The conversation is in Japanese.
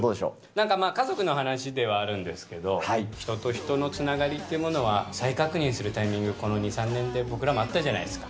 なんか家族の話ではあるんですけれども、人と人のつながりっていうのは再確認するタイミング、この２、３年で僕らもあったじゃないですか。